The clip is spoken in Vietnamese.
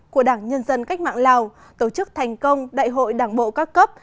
của đảng nhân dân cách mạng lào tổ chức thành công đại hội đảng bộ các cấp